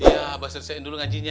iya abah selesaikan dulu ngajinya ya